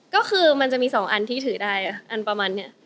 ก็คือมันจะมี๒อันที่ถือได้อันประมาณนี้